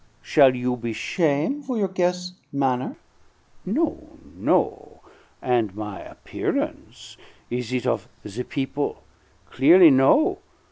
Shall you be shame' for your guest' manner? No, no! And my appearance, is it of the people? Clearly, no.